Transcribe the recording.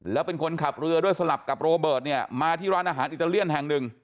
แล้วเป็นคนขับเรือด้วยสลับกับโรเบิร์ตเนี่ยมาที่ร้านอาหารอิตาเลียนแห่งหนึ่ง